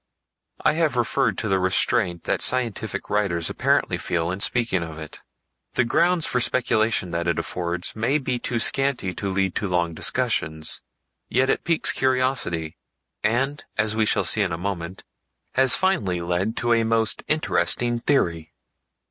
I have referred to the restraint that scientific writers apparently feel in speaking of it. The grounds for speculation that it affords may be too scanty to lead to long discussions, yet it piques curiosity, and as we shall see in a moment has finally led to a most interesting theory.